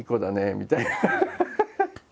みたいな。